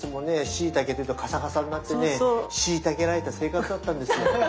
しいたけっていうとカサカサになってね虐げられた生活だったんですよ。